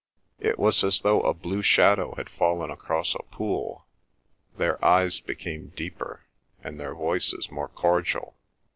It was as though a blue shadow had fallen across a pool. Their eyes became deeper, and their voices more cordial.